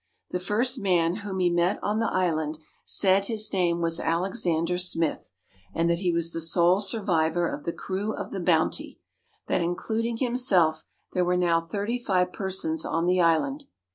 The first man whom he met on the island said his name was Alexander Smith, and that he was the sole survivor of the crew of the Bounty : that including him self there were now thirty five persons on the island.